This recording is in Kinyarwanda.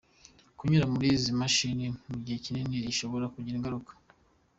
Kunyura muri izi mashini mu gihe kinini bishobora kugira ingaruka.